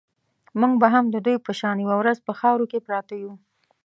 موږ به هم د دوی په شان یوه ورځ په خاورو کې پراته یو.